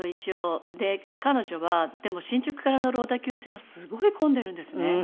で彼女はでも新宿から乗る小田急線はすごい混んでるんですね。